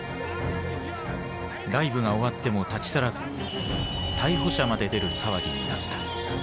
ライブが終わっても立ち去らず逮捕者まで出る騒ぎになった。